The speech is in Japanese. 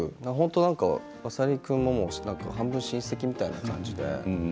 浅利君も半分親戚みたいな感じで。